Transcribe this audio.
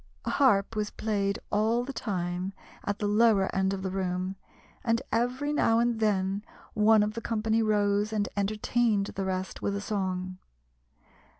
A harp was played all the time at the lower end of the room, and every now and then one of the company rose and entertained the rest with a song.